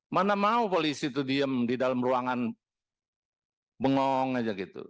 mana mau polisi itu diem di dalam ruangan bengong aja gitu